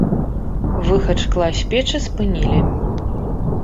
Выхад шкла з печы спынілі.